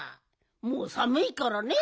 もうさむいからね。